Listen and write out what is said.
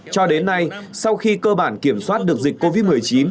cho đến nay sau khi cơ bản kiểm soát được dịch covid một mươi chín